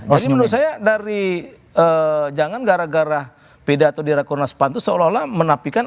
jadi menurut saya jangan gara gara pediatri di rakyat kurnas pan itu seolah olah menafikan